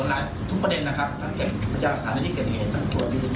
เพราะว่ามูลเหตุเราเราก็ไม่ได้เชื่อว่ามูลเหตุเครื่องเท่านี้จะอยู่ดีกว่าฆ่า